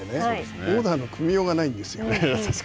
オーダーの組みようがないんですよ。